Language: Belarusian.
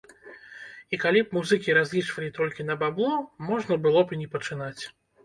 І калі б музыкі разлічвалі толькі на бабло, можна было б і не пачынаць.